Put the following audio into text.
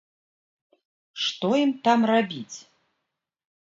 Што ім там рабіць?